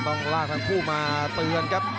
ต้องลากทั้งคู่มาเตือนครับ